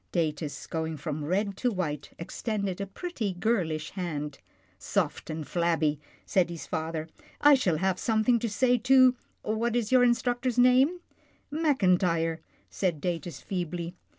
Datus, going from red to white, extended a pretty, girlish hand. " Soft and flabby," said his father. " I shall have something to say to — what is, your instructor's name? "" Mackintyre," said Datus feebly.